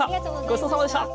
ごちそうさまでした。